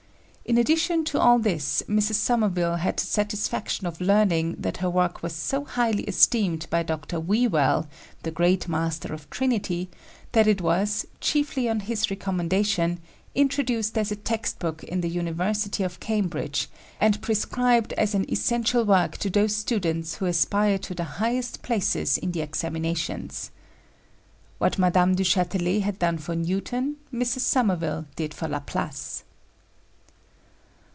In addition to all this, Mrs. Somerville had the satisfaction of learning that her work was so highly esteemed by Dr. Whewell, the great master of Trinity, that it was, chiefly on his recommendation, introduced as a textbook in the University of Cambridge and prescribed as "an essential work to those students who aspire to the highest places in the examinations." What Mme. du Châtelet had done for Newton, Mrs. Somerville did for Laplace.